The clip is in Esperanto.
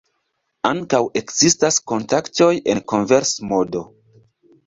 Ankaŭ ekzistas kontaktoj en konvers-modo.